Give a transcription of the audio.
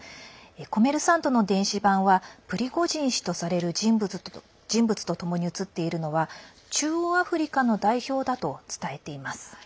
コメルサントの電子版はプリゴジン氏とされる人物とともに写っているのは中央アフリカの代表だと伝えています。